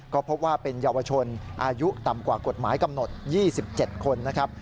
ก็พบว่าเป็นเยาวชนอายุต่ำกว่ากฎหมายกำหนด๒๗คนนะครับ